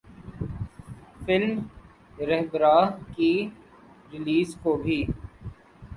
film ’Rahbara‘ کی release کو بھی